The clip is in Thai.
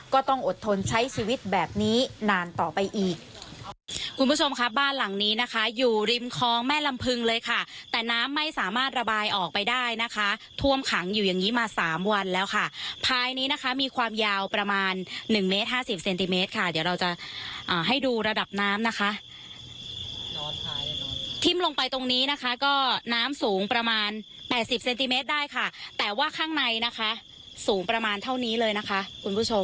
ก็ต้องอดทนใช้ชีวิตแบบนี้นานต่อไปอีก